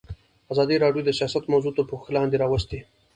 ازادي راډیو د سیاست موضوع تر پوښښ لاندې راوستې.